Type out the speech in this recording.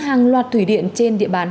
hàng loạt thủy điện trên địa bàn